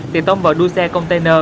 thì tông vào đuôi xe container